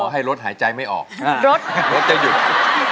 ให้รถหายใจไม่ออกรถรถจะหยุด